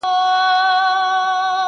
که ته نه وې یوه بل ته دښمنان دي-